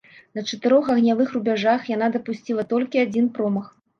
На чатырох агнявых рубяжах яна дапусціла толькі адзін промах.